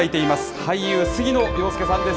俳優、杉野遥亮さんです。